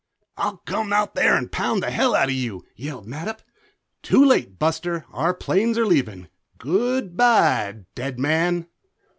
"I'll come out there and pound the hell out of you!" yelled Mattup. "Too late, Buster, our planes are leaving. Goodbye, dead man!"